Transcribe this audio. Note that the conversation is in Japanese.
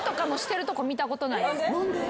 何で？